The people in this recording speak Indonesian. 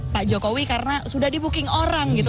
pak jokowi karena sudah di booking orang gitu